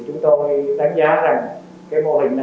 chúng tôi đánh giá rằng cái mô hình này